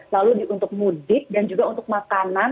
lalu untuk mudik dan juga untuk makanan